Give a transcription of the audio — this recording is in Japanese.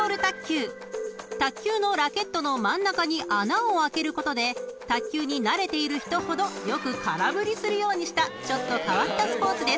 ［卓球のラケットの真ん中に穴を開けることで卓球に慣れている人ほどよく空振りするようにしたちょっと変わったスポーツです］